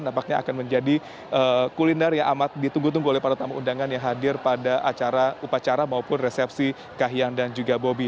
nampaknya akan menjadi kuliner yang amat ditunggu tunggu oleh para tamu undangan yang hadir pada acara upacara maupun resepsi kahiyang dan juga bobi